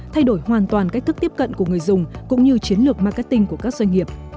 thay đổi hoàn toàn cách thức tiếp cận của người dùng cũng như chiến lược marketing của các doanh nghiệp